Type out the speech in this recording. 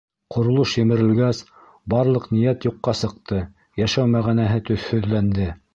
Ҡоролош емерелгәс, барлыҡ ниәт юҡҡа сыҡты, йәшәү мәғәнәһе төҫһөҙләнде.